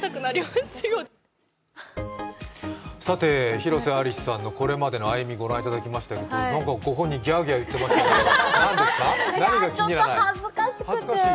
広瀬アリスさんのこれまでの歩みをご覧いただきましたけど、ご本人、ギャーギャー言ってましたけど、何が気に入らない？